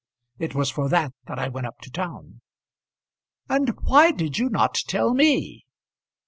It was for that that I went up to town." "And why did you not tell me?"